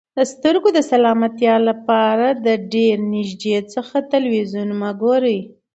د سترګو د سلامتیا لپاره د ډېر نږدې څخه تلویزیون مه ګورئ.